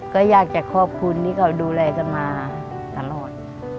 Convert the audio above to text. ก็อยากจะขอบคุณที่เขาดูแลกันมาตลอด